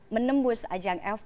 menembus ajang f satu